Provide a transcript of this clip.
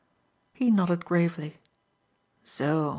He nodded gravely. "Zo!